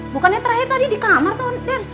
bukannya terakhir tadi di kamar tuh den